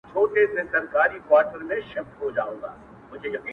له ها ماښامه ستا نوم خولې ته راځــــــــي-